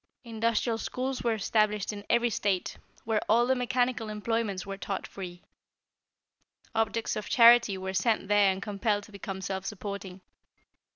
Industrial schools were established in every State, where all the mechanical employments were taught free. Objects of charity were sent there and compelled to become self supporting.